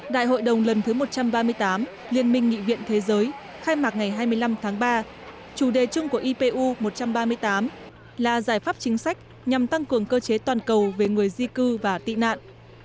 đại hội đồng lần thứ một trăm ba mươi tám liên minh nghị viện thế giới khai mạc ngày hai mươi năm tháng ba chủ đề chung của ipu một trăm ba mươi tám là giải pháp chính sách nhằm tăng cường cơ chế toàn cầu về người di cư và tị nạn